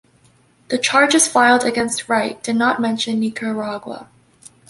The charges filed against Wright did not mention Nicaragua.